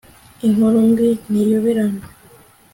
inkuru mbi ntiyoberana